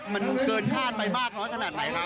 มันเกินคาดไปมากน้อยขนาดไหนคะ